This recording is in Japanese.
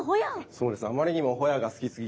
そうですね。